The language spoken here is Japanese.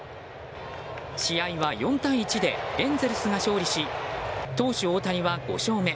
試合は４対１でエンゼルスが勝利し投手・大谷は５勝目。